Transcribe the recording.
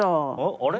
あれ？